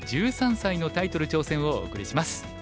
１３歳のタイトル挑戦」をお送りします。